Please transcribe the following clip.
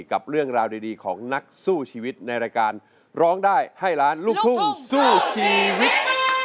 กับเรื่องราวดีของนักสู้ชีวิตในรายการร้องได้ให้ล้านลูกทุ่งสู้ชีวิต